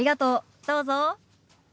どうぞ。